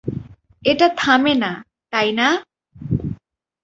এটা থামেনা, তাই না?